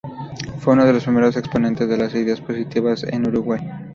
Fue uno de los primeros exponentes de las ideas positivistas en Uruguay.